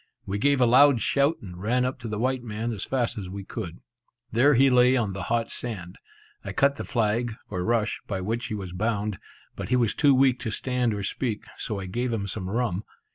We gave a loud shout, and ran up to the white man as fast as we could. There he lay on the hot sand. I cut the flag, or rush, by which he was bound, but he was too weak to stand or speak, so I gave him some rum.